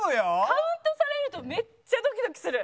カウントされるとめっちゃドキドキする。